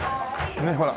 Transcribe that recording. ねっほら。